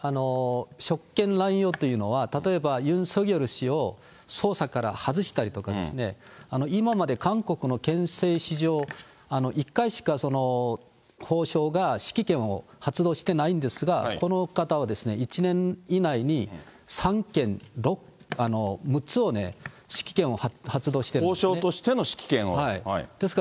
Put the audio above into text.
職権乱用というのは、例えばユン・ソギョル氏を捜査から外したりとかですね、今まで韓国の憲政史上、１回しか法相が指揮権を発動してないんですが、この方は、１年以内に３件、６つを指揮権を発動しているんですね。